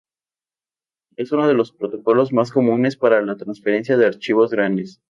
Es uno de los protocolos más comunes para la transferencia de archivos grandes.